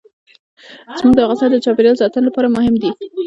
زمرد د افغانستان د چاپیریال ساتنې لپاره مهم دي.